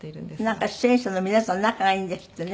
なんか出演者の皆さん仲がいいんですってね。